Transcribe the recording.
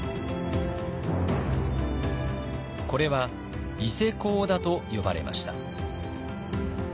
これは伊勢講田と呼ばれました。